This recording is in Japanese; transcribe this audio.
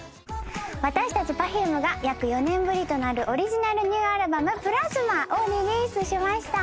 私たちＰｅｒｆｕｍｅが約４年ぶりとなるオリジナルニューアルバム『ＰＬＡＳＭＡ』をリリースしました。